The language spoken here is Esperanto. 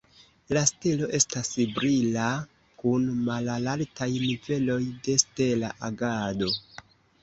La stelo estas brila kun malaltaj niveloj de stela agado.